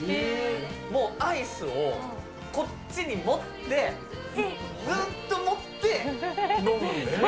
もうアイスを、こっちに持って、ずっと持って、飲む。